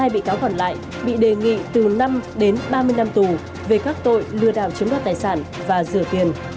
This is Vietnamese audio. hai mươi bị cáo còn lại bị đề nghị từ năm đến ba mươi năm tù về các tội lừa đảo chiếm đoạt tài sản và rửa tiền